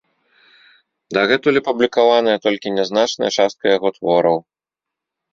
Дагэтуль апублікаваная толькі нязначная частка яго твораў.